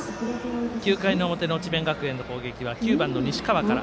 ９回の表の智弁学園の攻撃は９番の西川から。